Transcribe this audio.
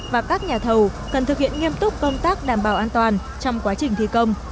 và các nhà thầu cần thực hiện nghiêm túc công tác đảm bảo an toàn trong quá trình thi công